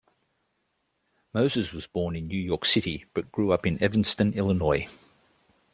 Moses was born in New York City but grew up in Evanston, Illinois.